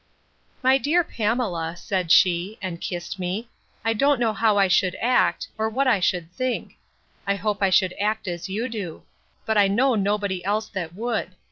My dear Pamela, said she, and kissed me, I don't know how I should act, or what I should think. I hope I should act as you do. But I know nobody else that would.